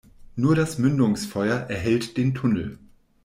Nur das Mündungsfeuer erhellt den Tunnel.